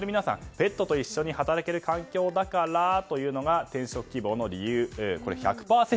ペットと一緒に働ける環境だからというのが転職希望の１００％